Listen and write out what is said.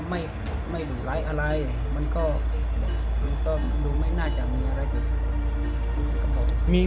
เขาก็ไม่หรือไรอะไรมันก็ดูไม่น่าจะมีอะไรที่จะบอก